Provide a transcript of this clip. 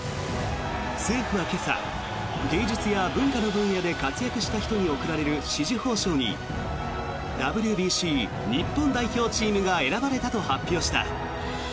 政府は今朝、芸術や文化の分野で活躍した人に贈られる紫綬褒章にＷＢＣ日本代表チームが選ばれたと発表した。